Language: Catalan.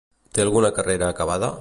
Té alguna carrera acabada?